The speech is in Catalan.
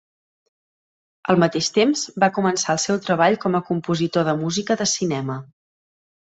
Al mateix temps, va començar el seu treball com a compositor de música de cinema.